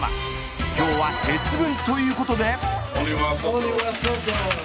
今日は節分ということで。